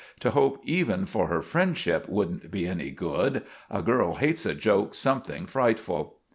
To hope even for her friendship wouldn't be any good. A girl hates a joke something frightful."